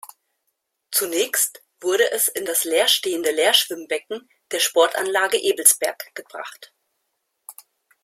Zunächst wurde es in das leerstehende Lehrschwimmbecken der Sportanlage Ebelsberg gebracht.